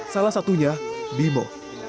salah satunya bimau